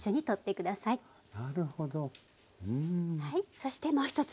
そしてもう一つ。